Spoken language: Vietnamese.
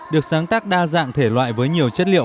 được sáng tác đa dạng thể loại với nhiều chất liệu